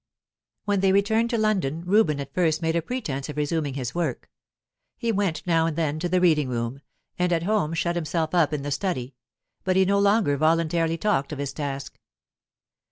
When they returned to London, Reuben at first made a pretence of resuming his work. He went now and then to the reading room, and at home shut himself up in the study; but he no longer voluntarily talked of his task.